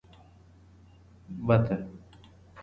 بط 🦆